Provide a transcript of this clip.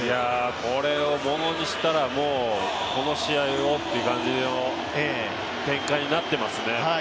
これをものにしたらもうこの試合をという感じの展開になってますね。